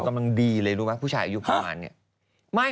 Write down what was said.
กำลังดีเลยรู้ไหมผู้ชายอายุประมาณเนี่ย